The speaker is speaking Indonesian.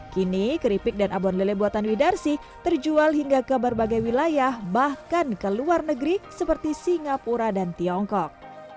kini keripik dan abon lele buatan widarsi terjual hingga ke berbagai wilayah bahkan ke luar negeri seperti singapura dan tiongkok